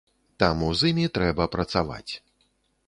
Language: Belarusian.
Таму з імі трэба працаваць.